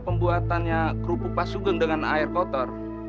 pembuatannya kerupuk pak sugong dengan air kotor